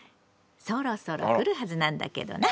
そろそろ来るはずなんだけどな。